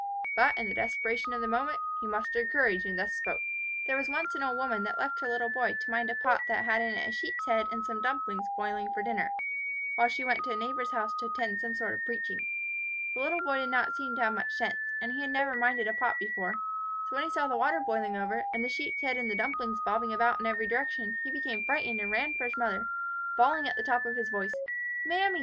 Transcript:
But, in the desperation of the moment, he mustered courage, and thus spoke, "There was once an old woman that left her little boy to mind a pot that had in it a sheep's head and some dumplings boiling for dinner, while she went to a neighbour's house to attend some sort of preaching. The little boy did not seem to have much sense; and had never minded a pot before; so when he saw the water boiling over, and the sheep's head and the dumplings bobbing about in every direction, he became frightened and ran for his mother, bawling at the top of his voice, 'Mammy!